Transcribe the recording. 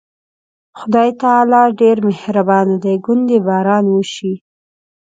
خدای تعالی ډېر مهربانه دی، ګوندې باران وشي.